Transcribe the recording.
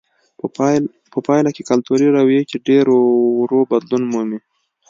په پایله کې کلتوري رویې چې ډېر ورو بدلون مومي.